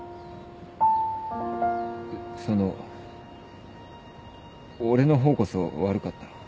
その俺の方こそ悪かった。